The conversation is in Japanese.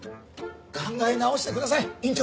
考え直してください院長。